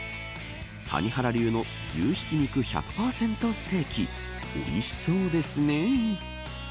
谷原流の牛ひき肉１００％ステーキ美味しそうですね。